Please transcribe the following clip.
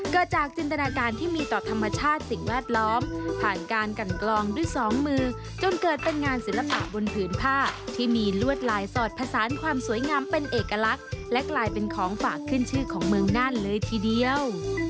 เกิดจากจินตนาการที่มีต่อธรรมชาติสิ่งแวดล้อมผ่านการกันกลองด้วยสองมือจนเกิดเป็นงานศิลปะบนผืนผ้าที่มีลวดลายสอดผสานความสวยงามเป็นเอกลักษณ์และกลายเป็นของฝากขึ้นชื่อของเมืองน่านเลยทีเดียว